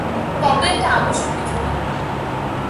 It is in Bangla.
তবে এটা আবশ্যক কিছু না।